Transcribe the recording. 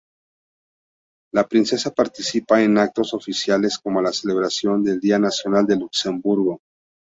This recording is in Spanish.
La princesa participa en actos oficiales como la celebración del Día Nacional de Luxemburgo.